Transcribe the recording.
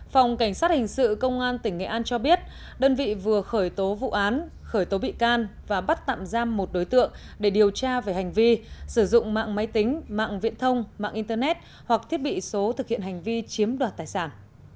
phòng cảnh sát hình sự công an tỉnh nghệ an cho biết đơn vị vừa khởi tố vụ án khởi tố bị can và bắt tạm giam một đối tượng để điều tra về hành vi sử dụng mạng máy tính mạng viễn thông mạng internet hoặc thiết bị số thực hiện hành vi chiếm đoạt tài sản